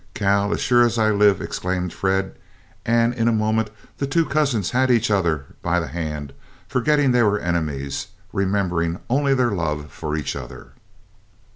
"Cal, as sure as I live!" exclaimed Fred, and in a moment the two cousins had each other by the hand, forgetting they were enemies, remembering only their love for each other.